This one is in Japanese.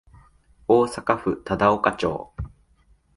大阪府忠岡町